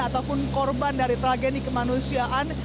ataupun korban dari tragedi kemanusiaan